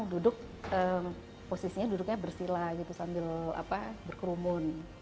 duduk posisinya duduknya bersila gitu sambil berkerumun